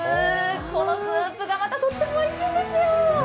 このスープがまたとってもおいしいんですよ。